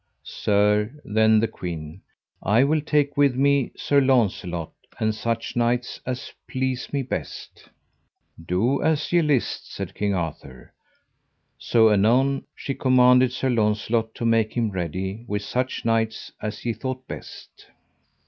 Sir, then the queen, I will take with me [Sir Launcelot] and such knights as please me best. Do as ye list, said King Arthur. So anon she commanded Sir Launcelot to make him ready with such knights as he thought best.